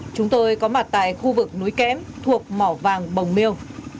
chúng tôi có mặt tại khu vực núi kém thuộc mỏ vàng bồng miêu